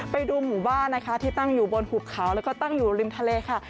ไปดูหมู่บ้านนะคะที่ตั้งอยู่บนหุบเขาแล้วก็ตั้งอยู่ริมทะเลค่ะ